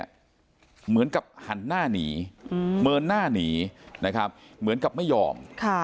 เหมือนกับหันหน้าหนีเมินหน้าหนีนะครับเหมือนกับไม่ยอม